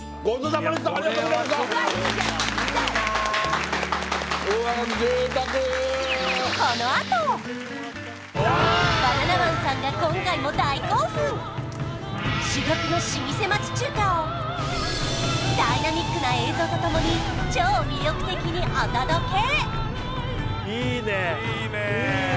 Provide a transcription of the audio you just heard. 贅沢バナナマンさんが今回も大興奮珠玉の老舗町中華をダイナミックな映像とともに超魅力的にお届け！